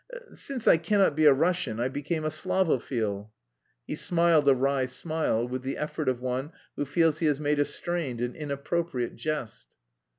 Since I cannot be a Russian, I became a Slavophil." He smiled a wry smile with the effort of one who feels he has made a strained and inappropriate jest.